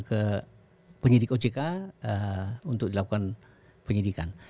ke penyidik ojk untuk dilakukan penyidikan